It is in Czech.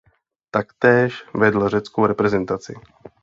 Taktéž vedl řeckou reprezentaci.